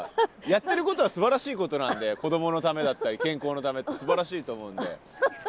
やってることはすばらしいことなんで子どものためだったり健康のためってすばらしいと思うんで。